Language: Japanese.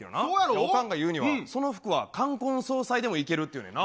おかんが言うには、その服は冠婚葬祭でもいけるっていうねんな。